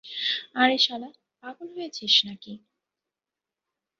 আরে শালা, পাগল হয়েছিস নাকি?